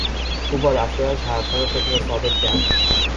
او با رفتارش حرفهای خود را ثابت کرد.